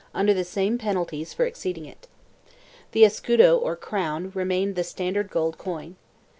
under the same penalties for exceeding it. The escudo or crown remained the standard gold coin.